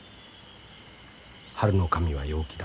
春の神は陽気だ。